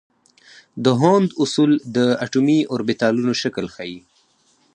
د هوند اصول د اټومي اوربیتالونو شکل ښيي.